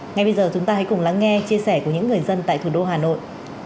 ngay bây giờ chúng ta hãy cùng lắng nghe chia sẻ của những người dân tại thủ đô hà nội